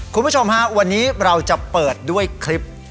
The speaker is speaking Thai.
คุณผู้ชมฮะวันนี้เราจะเปิดด้วยคลิป